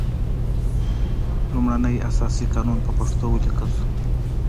لومړنی اساسي قانون په پښتو ولیکل شول.